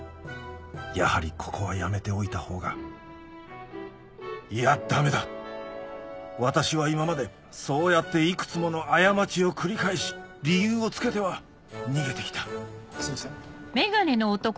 やはりここはやめておいた方がいやダメだ私は今までそうやっていくつもの過ちを繰り返し理由をつけては逃げてきたすいません。